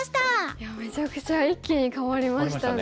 いやめちゃくちゃ一気に変わりましたね。